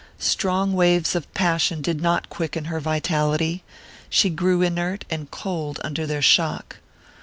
Strong waves of passion did not quicken her vitality: she grew inert and cold under their shock.